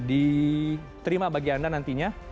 diterima bagi anda nantinya